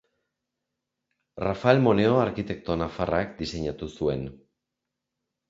Rafael Moneo arkitekto nafarrak diseinatu zuen.